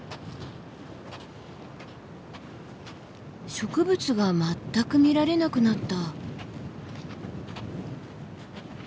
植物が全く見られなくなった。